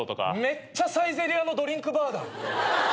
めっちゃサイゼリヤのドリンクバーだ。